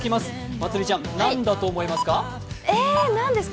まつりちゃん、何だと思いますか？